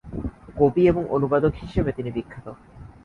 কবি এবং অনুবাদক হিসেবে তিনি বিখ্যাত।